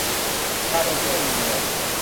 ยาดม แก้วิงเวียน